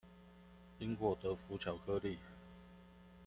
因禍得福巧克力